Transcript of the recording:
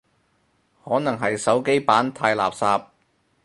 可能係手機版太垃圾